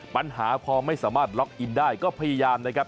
ปัญหาพอไม่สามารถล็อกอินได้ก็พยายามนะครับ